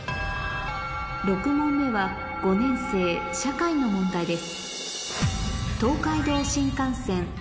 ６問目は５年生社会の問題です